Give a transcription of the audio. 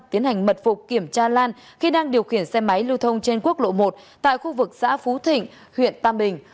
tiến hành mật phục kiểm tra lan khi đang điều khiển xe máy lưu thông trên quốc lộ một tại khu vực xã phú thịnh huyện tam bình